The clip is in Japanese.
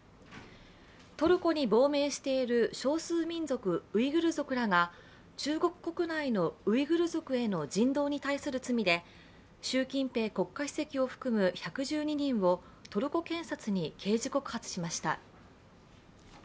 トルコに亡命している少数民族ウイグル族らが中国国内のウイグル族への人道に対する罪で習近平国家主席を含む１１２人をトルコ検察に刑事告発しました。